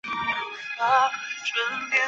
栗齿鼩鼱为鼩鼱科鼩鼱属的动物。